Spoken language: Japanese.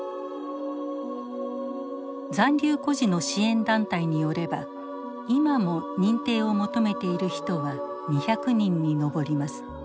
残留孤児の支援団体によれば今も認定を求めている人は２００人に上ります。